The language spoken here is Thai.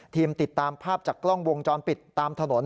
ติดตามภาพจากกล้องวงจรปิดตามถนน